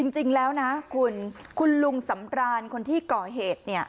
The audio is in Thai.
จริงแล้วคุณลุงสำราญคนที่ก่อเหตุ